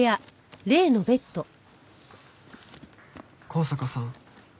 向坂さん